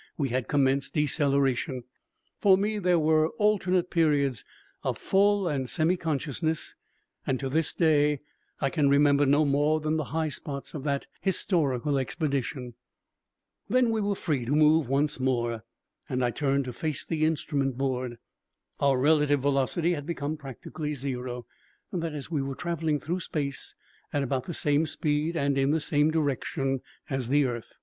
We had commenced deceleration. For me there were alternate periods of full and semi consciousness and, to this day, I can remember no more than the high spots of that historical expedition. Then we were free to move once more, and I turned to face the instrument board. Our relative velocity had become practically zero; that is, we were traveling through space at about the same speed and in the same direction as the earth.